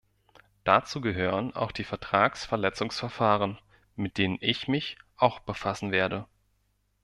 Dazu gehören auch die Vertragsverletzungsverfahren, mit denen ich mich auch befassen werde.